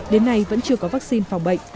đến nay vẫn chưa có vaccine phòng bệnh